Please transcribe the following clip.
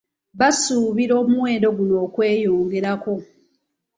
Basuubira omuwendo guno okweyongerako.